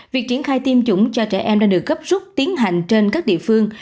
việc triển khai tiêm chủng cho trẻ em đang được gấp rút tiến hành trên các địa phương